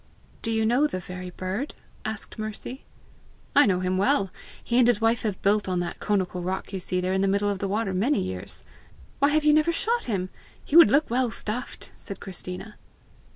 "Do you know the very bird?" asked Mercy. "I know him well. He and his wife have built on that conical rock you see there in the middle of the water many years." "Why have you never shot him? He would look well stuffed!" said Christina.